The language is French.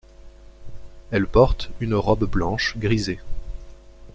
Elle porte une robe blanche grisée.